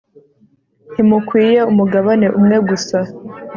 ntimukwiye umugabane umwe gusa